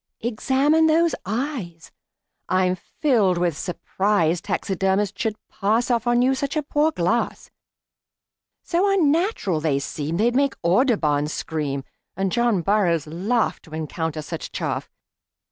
"Examine those eyes. I'm filled with surprise Taxidermists should pass Off on you such poor glass; So unnatural they seem They'd make Audubon scream, And John Burroughs laugh To encounter such chaff.